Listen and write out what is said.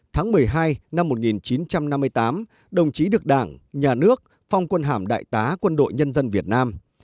tháng một mươi hai năm một nghìn chín trăm năm mươi tám đồng chí được đảng nhà nước phong quân hàm đại tá quân đội nhân dân việt nam